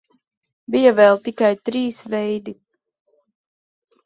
Bija vēl tikai trīs veidi.